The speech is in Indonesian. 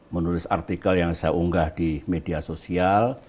menulis artikel yang saya unggah di media sosial